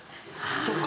そっか。